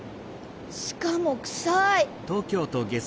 しかもくさい。